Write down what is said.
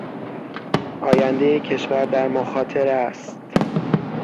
آیندهی کشور در مخاطره است.